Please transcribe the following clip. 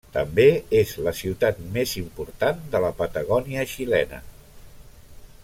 També és la ciutat més important de la Patagònia xilena.